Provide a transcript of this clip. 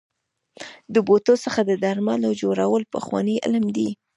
د بوټو څخه د درملو جوړول پخوانی علم دی.